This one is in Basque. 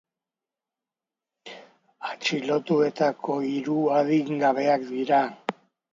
Atxilotuetako hiru adingabeak dira.